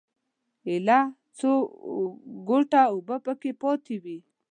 ایله یو څو ګوټه اوبه په کې پاتې وې.